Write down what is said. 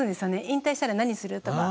「引退したら何する？」とか。